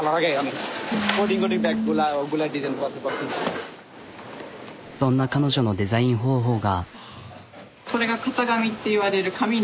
でそんな彼女のデザイン方法が。